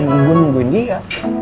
ya gue nungguin dia